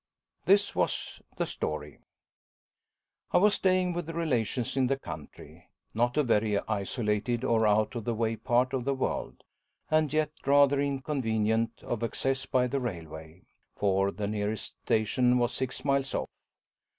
This was the story. I was staying with relations in the country. Not a very isolated or out of the way part of the world, and yet rather inconvenient of access by the railway. For the nearest station was six miles off.